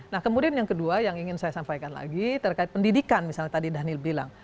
nah kemudian yang kedua yang ingin saya sampaikan lagi terkait pendidikan misalnya tadi dhanil bilang